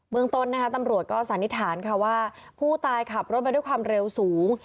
เมืองต้นนะคะตำรวจก็สันนิษฐานค่ะว่าผู้ตายขับรถมาด้วยความเร็วสูง